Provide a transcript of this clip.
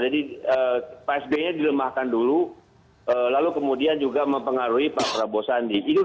jadi pak sby nya dilemahkan dulu lalu kemudian juga mempengaruhi pak prabowo sandi